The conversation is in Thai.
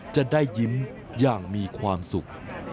จะได้ยิ้มอย่างมีความสุข